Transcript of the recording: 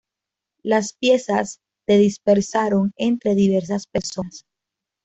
Las piezas de dispersaron entre diversas personas.